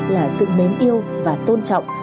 là sự mến yêu và tôn trọng